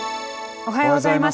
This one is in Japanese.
おはようございます。